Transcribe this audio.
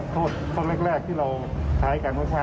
โทษต้นแรกที่เราท้ายกันกว่าค่ะ